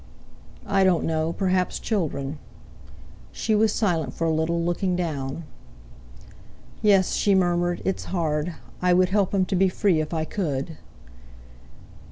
"I don't know; perhaps children." She was silent for a little, looking down. "Yes," she murmured; "it's hard. I would help him to be free if I could."